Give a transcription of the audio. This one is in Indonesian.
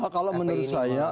kalau menurut saya